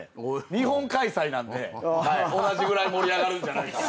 日本開催なんで同じぐらい盛り上がるんじゃないかな。